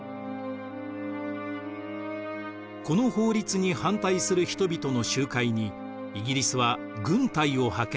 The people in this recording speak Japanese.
この法律に反対する人々の集会にイギリスは軍隊を派遣。